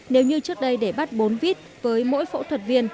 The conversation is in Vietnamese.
nếu như trước đây để bắt bốn vít với mỗi phẫu thuật viên